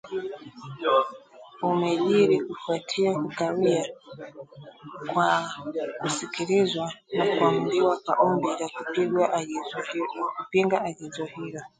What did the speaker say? umejiri kufuatia kukawia kwa kusikilizwa na kuamuliwa kwa ombi la kupinga agizo hilo